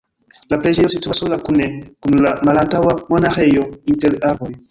La preĝejo situas sola kune kun la malantaŭa monaĥejo inter arboj.